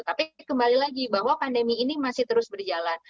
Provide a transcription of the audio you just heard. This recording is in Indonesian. tapi kembali lagi bahwa pandemi ini masih terus berjalan